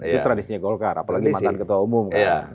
itu tradisinya golkar apalagi mantan ketua umum kan